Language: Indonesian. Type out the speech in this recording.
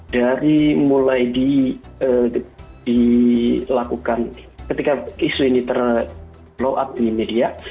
dari mulai dilakukan ketika isu ini terlow up di media